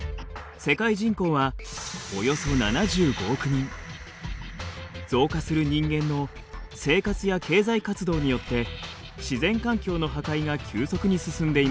２０１８年増加する人間の生活や経済活動によって自然環境の破壊が急速に進んでいます。